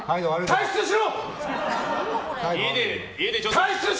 退出しろ！